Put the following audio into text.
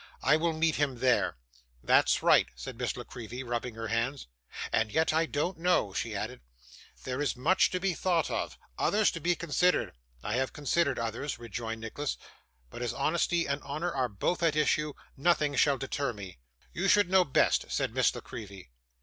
I will meet him there.' 'That's right,' said Miss La Creevy, rubbing her hands. 'And yet, I don't know,' she added, 'there is much to be thought of others to be considered.' 'I have considered others,' rejoined Nicholas; 'but as honesty and honour are both at issue, nothing shall deter me.' 'You should know best,' said Miss La Creevy.